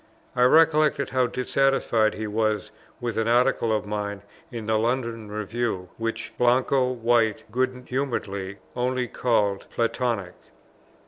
I recollect how dissatisfied he was with an Article of mine in the London Review, which Blanco White, good humouredly, only called Platonic.